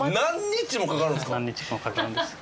何日もかかるんですか？